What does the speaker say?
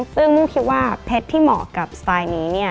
ซึ่งมุ่งคิดว่าเพชรที่เหมาะกับสไตล์นี้